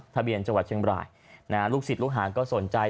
ทะเบียนจังหวัดเชียงบรายลูกศิษย์ลูกหางก็สนใจ